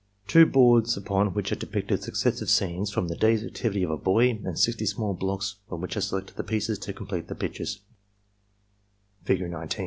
— Two boards upon which are depicted successive scenes from the day's activity of a boy; and 60 small blocks from which are selected the pieces to complete the pictures, Figure 19.